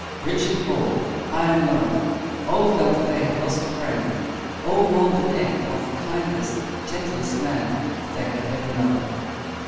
Rich and poor, high and low, all felt that they had lost a friend; all mourned the death of the kindest, gentlest man that they had ever known.